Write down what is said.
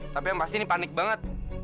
tapi yang pasti ini panik banget